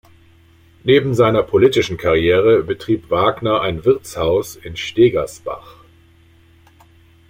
Neben seiner politischen Karriere betrieb Wagner ein Wirtshaus in Stegersbach.